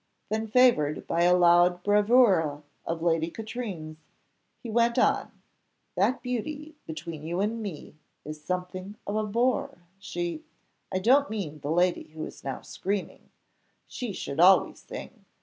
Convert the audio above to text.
Then, favoured by a loud bravura of Lady Katrine's, he went on "That beauty, between you and me, is something of a bore she I don't mean the lady who is now screaming she should always sing.